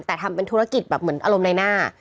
แต่ทำเป็นธุรกิจแบบเหมือนอารมณ์ในหน้า